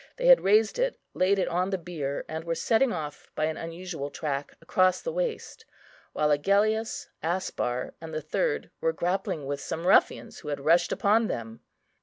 They had raised it, laid it on the bier, and were setting off by an unusual track across the waste, while Agellius, Aspar, and the third were grappling with some ruffians who had rushed upon them.